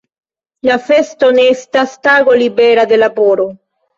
La festo ne estas tago libera de laboro.